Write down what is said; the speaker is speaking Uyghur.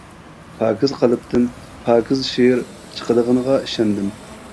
پاكىز قەلبتىن پاكىز شېئىر چىقىدىغىنىغا ئىشەندىم.